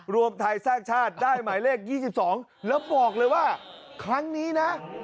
รวมไทยสร้างชาติได้หมายเลข๒๒แล้วบอกเลยว่าครั้งนี้นะ